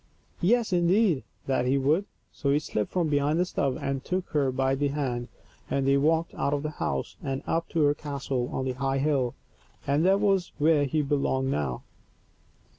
Yes, indeed, that he would. So he slipped from behind the stove and took her by the hand, and they walked out of the house and up to her castle on the high hill, for that was where he belonged now.